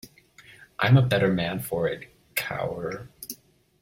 I'm a better man for it, Kaur.